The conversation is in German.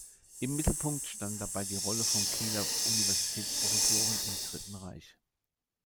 Im Mittelpunkt stand dabei die Rolle von Kieler Universitätsprofessoren im Dritten Reich.